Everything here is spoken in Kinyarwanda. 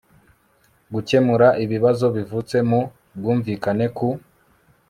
gukemura ibibazo bivutse mu bwumvikane ku